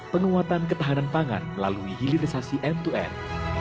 penguatan ketahanan pangan melalui hilirisasi end to end